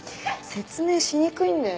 説明しにくいんだよ。